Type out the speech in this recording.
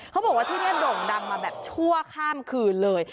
เขาบอกว่าที่นี่โด่งดังมาแบบชั่วข้ามคืนเลย